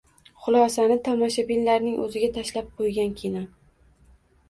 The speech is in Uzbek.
xulosani tomoshabinlarning o‘ziga tashlab qo‘ygan kino